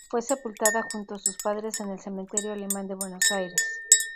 Fue sepultada junto a sus padres en el Cementerio Alemán de Buenos Aires.